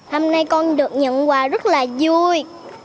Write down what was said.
hôm nay con được nhận quà rất là vui